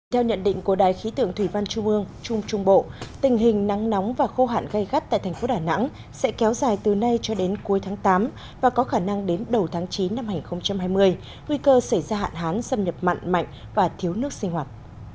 theo nhận định của đài khí tượng thủy văn trung ương trung trung bộ tình hình nắng nóng và khô hạn gây gắt tại thành phố đà nẵng sẽ kéo dài từ nay cho đến cuối tháng tám và có khả năng đến đầu tháng chín năm hai nghìn hai mươi nguy cơ xảy ra hạn hán xâm nhập mặn mạnh và thiếu nước sinh hoạt